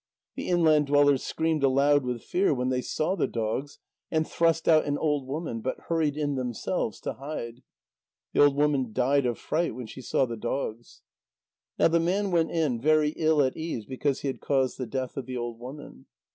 The inland dwellers screamed aloud with fear when they saw the dogs, and thrust out an old woman, but hurried in themselves to hide. The old woman died of fright when she saw the dogs. Now the man went in, very ill at ease because he had caused the death of the old woman.